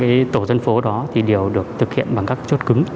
tất cả người dân thị trấn thì đều được thực hiện bằng các chốt cứng